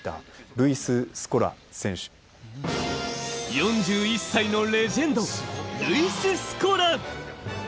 ４１歳のレジェンド、ルイス・スコラ。